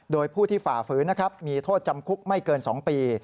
โดยผู้ที่ฝ่าฝืนนะครับมีโทษจำคุกไม่เกิน๒ปี